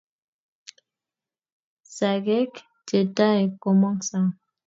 Sagek che tai komong sang.